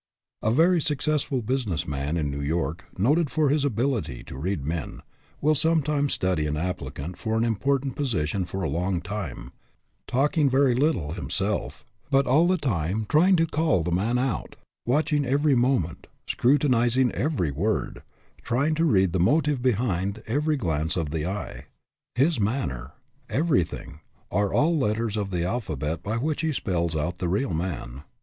A very successful business man in New York, noted for his ability to read men, will sometimes study an applicant for an important position for a long time, talking very little him self, but all the time trying to call the man out, watching every movement, scrutinizing every word, trying to read the motive behind every glance of the eye. His manner, every SIZING UP PEOPLE 195 thing, are all letters of the alphabet by which he spells out the real man.